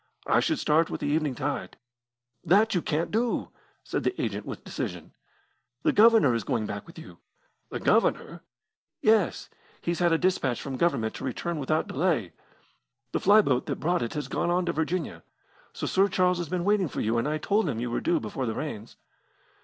I should start with the evening tide." "That you can't do," said the agent with decision. "The Governor is going back with you." "The Governor!" "Yes. He's had a dispatch from Government to return without delay. The fly boat that brought it has gone on to Virginia. So Sir Charles has been waiting for you, as I told him you were due before the rains."